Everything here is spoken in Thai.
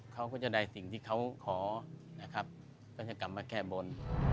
เขาก็จะได้สิ่งที่เขาขอนะครับก็จะกลับมาแก้บน